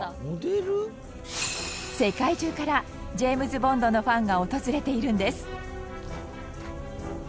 世界中からジェームズ・ボンドのファンが訪れているんです。